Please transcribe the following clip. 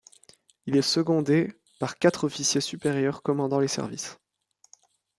Il est secondé par quatre officiers supérieurs commandant les services.